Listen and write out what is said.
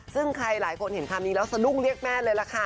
ซึ่งใครหลายคนเห็นคำนี้แล้วสะดุ้งเรียกแม่เลยล่ะค่ะ